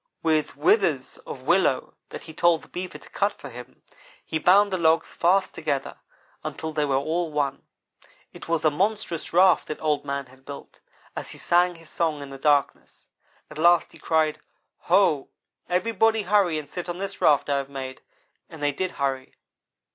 With withes of willow that he told the Beaver to cut for him, he bound the logs fast together until they were all as one. It was a monstrous raft that Old man had built, as he sang his song in the darkness. At last he cried, 'Ho! everybody hurry and sit on this raft I have made'; and they did hurry.